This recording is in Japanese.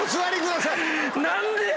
何でや！